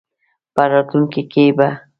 په راتلونکې کې به